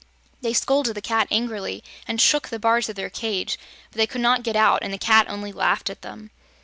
They scolded the Cat angrily and shook the bars of their cage, but they could not get out and the Cat only laughed at them.